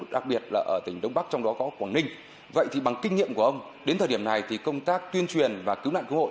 đặc biệt là ở tỉnh đông bắc trong đó có quảng ninh vậy thì bằng kinh nghiệm của ông đến thời điểm này thì công tác tuyên truyền và cứu nạn cứu hộ